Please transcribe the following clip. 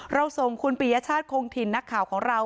ส่งคุณปียชาติคงถิ่นนักข่าวของเรา